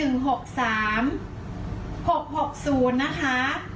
๖๖๐นะคะ